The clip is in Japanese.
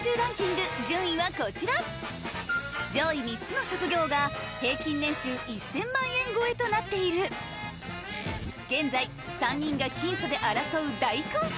上位３つの職業が平均年収１０００万円超えとなっている現在３人が僅差で争う大混戦